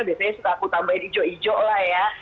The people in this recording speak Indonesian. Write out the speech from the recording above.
biasanya suka aku tambahin hijau hijau lah ya